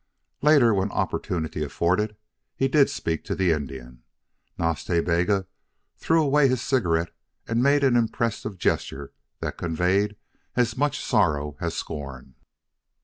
Later, when opportunity afforded, he did speak to the Indian. Nas Ta Bega threw away his cigarette and made an impressive gesture that conveyed as much sorrow as scorn.